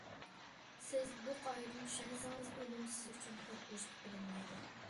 سىز بۇ قائىدىنى چۈشەنسىڭىز، ئۆلۈم سىز ئۈچۈن قورقۇنچلۇق بىلىنمەيدۇ.